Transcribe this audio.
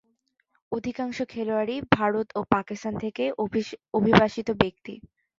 অধিকাংশ খেলোয়াড়ই ভারত ও পাকিস্তান থেকে অভিবাসিত ব্যক্তি।